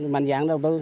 màn dạng đầu tư